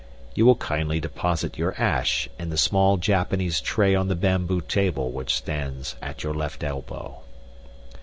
You will kindly deposit your ash in the small Japanese tray on the bamboo table which stands at your left elbow."